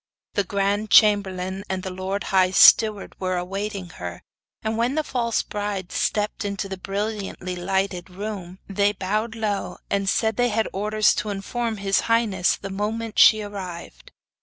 The grand chamberlain and the lord high steward were awaiting her, and when the false bride stepped into the brilliantly lighted room, they bowed low, and said they had orders to inform his highness the moment she arrived.